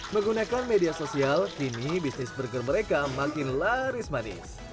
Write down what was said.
menggunakan media sosial kini bisnis burger mereka makin laris manis